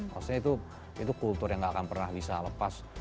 maksudnya itu kultur yang gak akan pernah bisa lepas